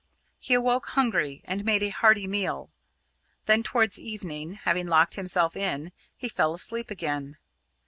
He awoke hungry and made a hearty meal. Then towards evening, having locked himself in, he fell asleep again.